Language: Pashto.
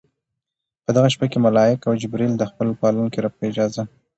په دغه شپه کې ملائک او جبريل د خپل پالونکي رب په اجازه